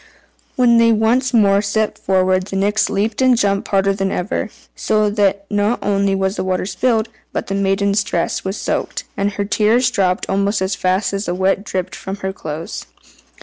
When they once more set forward the Nix leaped and jumped harder than ever, so that not only was the water spilled, but the maiden's dress was soaked, and her tears dropped almost as fast as the wet dripped from her clothes.